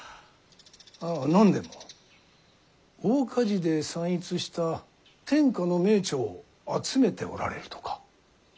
ああ何でも大火事で散逸した天下の名著を集めておられるとか。